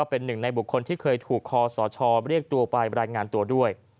เป็นหนึ่งในบุคคลที่เคยถูกคอสชเรียกตัวไปรายงานตัวด้วย